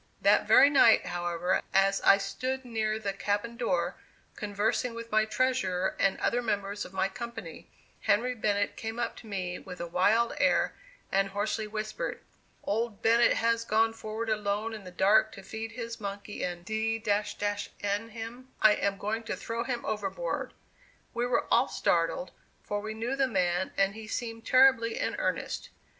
That very night, however, as I stood near the cabin door, conversing with my treasurer and other members of my company, Henry Bennett came up to me with a wild air, and hoarsely whispered: "Old Bennett has gone forward alone in the dark to feed his monkey, and d n him, I am going to throw him overboard." We were all startled, for we knew the man and he seemed terribly in earnest.